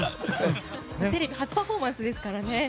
テレビ初パフォーマンスですからね。